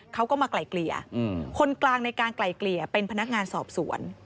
เขาก็มาไกลเกลี่ยคนกลางในการไกลเกลี่ยเป็นพนักงานสอบสวน